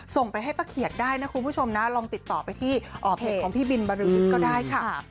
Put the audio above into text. ส่งไปให้ป้าเขียดได้นะคุณผู้ชมนะลองติดต่อไปที่เพจของพี่บินบริษฐ์ก็ได้ค่ะ